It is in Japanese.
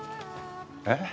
え？